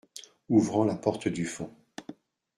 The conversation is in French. Ouvrant la porte du fond.